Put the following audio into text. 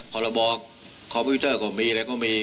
ขอบรบคอมพิวเตอร์ก็มี